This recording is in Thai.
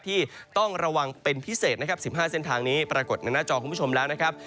ที่ต้องระวังเป็นพิเศษนะครับ๑๕เส้นทางนี้ปรากฏในหน้าจอคุณผู้ชมแล้วนะครับ